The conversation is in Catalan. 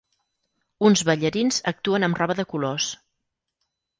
Uns ballarins actuen amb roba de colors